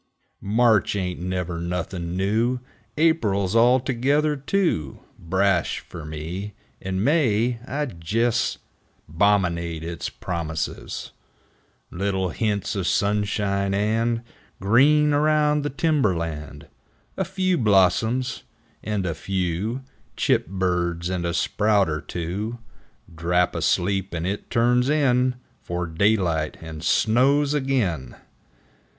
8 March ain't never nothin' new ! Aprile's altogether too Brash fer me! And May I jes' 'Bominate its promises , Little hints o' sunshine and Green around the timber land A few blossoms, and a few Chip birds, and a sprout er two , Drap asleep, and it turns in 'Fore daylight and snows ag'in